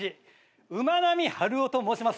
馬並春夫と申します。